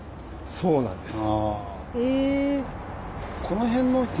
そうなんです。